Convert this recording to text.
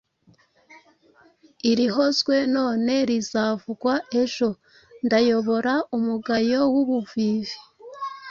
Irihozwe none rizavugwa ejo Ndayobora umugayo w'ubuvivi